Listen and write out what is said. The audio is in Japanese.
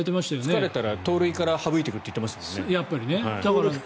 疲れたら盗塁から省いていくって言っていましたからね。